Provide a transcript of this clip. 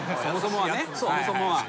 そもそもはね。